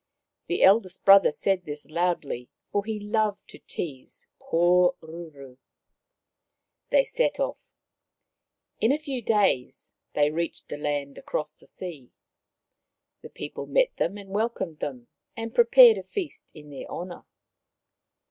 The eldest brother said this loudly, for he loved to tease poor Ruru. They set off. In a few days they reached the land across the sea. The people met them and welcomed them, and prepared a feast in their honour.